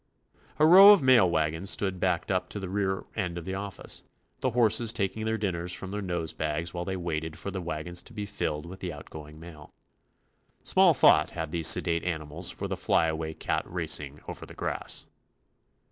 A row of mail wagons stood backed up to the rear end of the office, the horses taking their dinners from their nose bags while they waited for the wagons to be filled with the out going mail. Small thought had these sedate animals for the fly away cat racing over the grass.